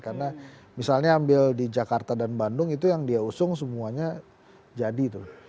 karena misalnya ambil di jakarta dan bandung itu yang dia usung semuanya jadi tuh